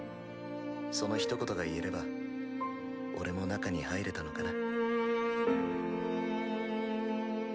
そのひと言が言えれば俺も中に入れたのかな？